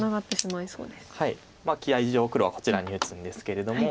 まあ気合い黒はこちらに打つんですけれども。